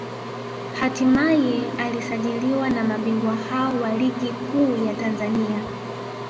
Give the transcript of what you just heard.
hatimaye alisajiliwa na mabingwa hao wa Ligi Kuu ya Tanzania